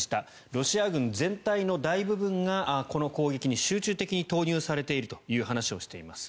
ロシア軍全体の大部分がこの攻撃に集中的に投入されているという話をしています。